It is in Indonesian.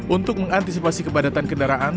untuk mengantisipasi kepadatan kendaraan